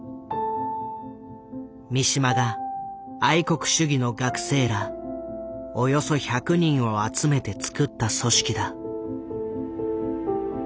三島が愛国主義の学生らおよそ１００人を集めてつくった組織だ。